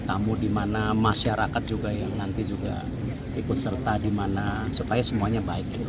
tamu di mana masyarakat juga yang nanti juga ikut serta di mana supaya semuanya baik